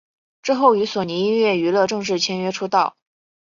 之后与索尼音乐娱乐正式签约出道。